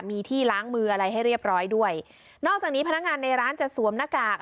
มีที่ล้างมืออะไรให้เรียบร้อยด้วยนอกจากนี้พนักงานในร้านจะสวมหน้ากาก